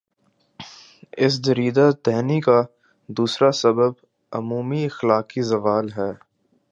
اس دریدہ دہنی کا دوسرا سبب عمومی اخلاقی زوال ہے۔